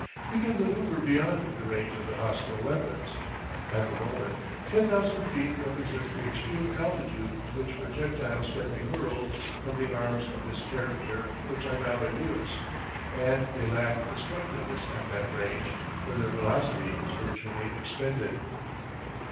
He can manoeuvre beyond the range of the hostile weapons. At the moment 10,000 feet represents the extreme altitude to which projectiles can be hurled from the arms of this character which are now in use, and they lack destructiveness at that range, for their velocity is virtually expended.